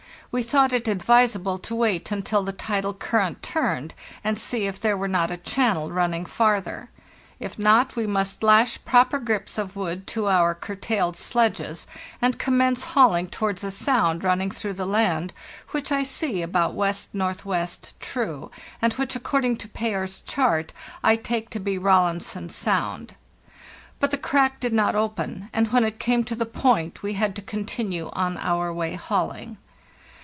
We thought it advisable to wait until the tidal current turned, and see if there were not a channel running farther. If not, we must lash proper grips of wood to our curtailed sledges, and com mence hauling towards a sound running through the land, which I see about W.N.W. (true), and which, ac cording to Payers chart, I take to be Rawlinson's Sound." But the crack did not open, and when it came to the point we had to continue on our way hauling.